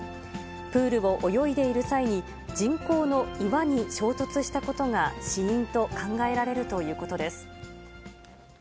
プールを泳いでいる際に、人工の岩に衝突したことが死因と考えられるということです。